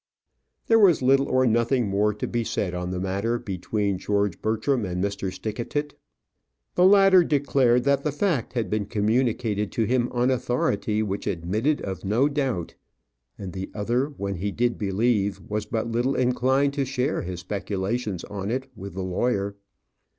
There was little or nothing more to be said on the matter between George Bertram and Mr. Stickatit. The latter declared that the fact had been communicated to him on authority which admitted of no doubt; and the other, when he did believe, was but little inclined to share his speculations on it with the lawyer.